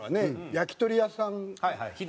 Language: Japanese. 焼き鳥屋さん。